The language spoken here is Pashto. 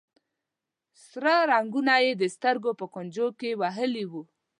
سره رنګونه یې د سترګو په کونجونو کې وهلي وي.